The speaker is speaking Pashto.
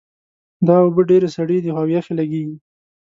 دا اوبه ډېرې سړې دي او یخې لګیږي